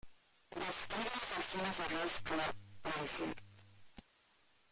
Describen las acciones de Ross como "predecibles".